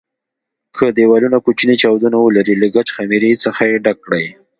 که دېوالونه کوچني چاودونه ولري له ګچ خمېرې څخه یې ډک کړئ.